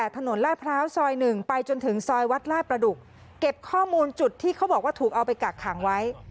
ตรงจุดที่เขาบอกว่าถูกเอาไปกักขังไว้